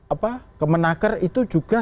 apa kemenakar itu juga